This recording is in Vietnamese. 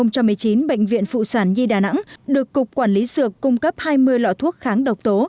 năm hai nghìn một mươi chín bệnh viện phụ sản nhi đà nẵng được cục quản lý dược cung cấp hai mươi lọ thuốc kháng độc tố